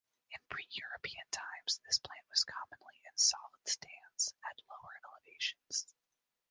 In pre-European times this plant was common in solid stands at lower elevations.